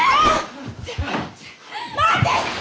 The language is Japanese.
待て！